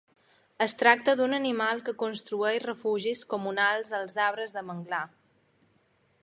Es tracta d'un animal que construeix refugis comunals als arbres de manglar.